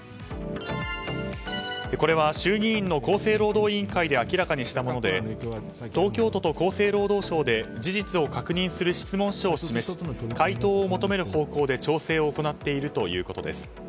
これは衆議院の厚生労働委員会で明らかにしたもので東京都と厚生労働省で事実を確認する質問書を示し回答を求める方向で調整を行っているということです。